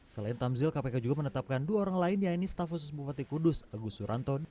selain tamzil kpk juga menetapkan dua orang lain yaitu staf khusus bupati kudus agus suranton